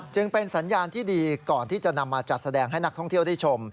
จึงเป็นสัญญาณที่ดีก่อนที่จะนำมาจัดแสดงให้นักท่องเที่ยวได้ชม